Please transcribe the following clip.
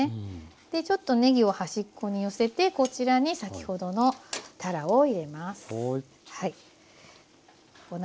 でちょっとねぎを端っこに寄せてこちらに先ほどのたらを入れます。